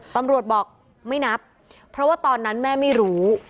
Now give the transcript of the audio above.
ตำรวจบอกไม่นับเพราะว่าตอนนั้นแม่ไม่รู้